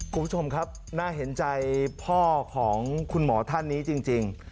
คุณผู้ชมครับน่าเห็นใจพ่อของคุณหมอท่านนี้จริง